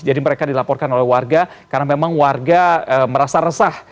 jadi mereka dilaporkan oleh warga karena memang warga merasa resah